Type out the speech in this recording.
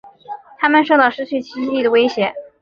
它们受到失去栖息地的威胁。